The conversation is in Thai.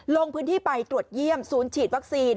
ลงพื้นที่ไปตรวจเยี่ยมศูนย์ฉีดวัคซีน